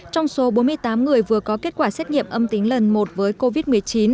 trong số bốn mươi tám người vừa có kết quả xét nghiệm âm tính lần một với covid một mươi chín